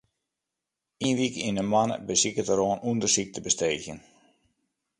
Ien wike yn 'e moanne besiket er oan ûndersyk te besteegjen.